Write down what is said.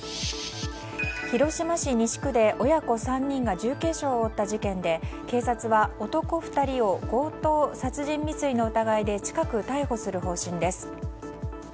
広島市西区で親子３人が重軽傷を負った事件で警察は、男２人を強盗殺人未遂の疑いで近く逮捕する方針です。